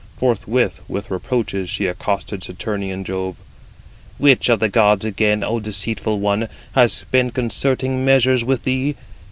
Forthwith with reproaches she accosted Saturnian Jove: "Which of the gods again, O deceitful one, has been concerting measures with thee?